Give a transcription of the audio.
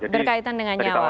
berkaitan dengan nyawa